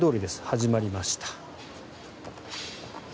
始まりました。